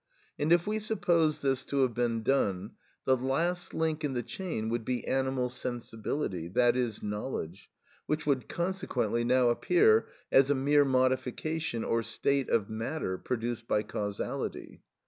And if we suppose this to have been done, the last link in the chain would be animal sensibility—that is knowledge—which would consequently now appear as a mere modification or state of matter produced by causality.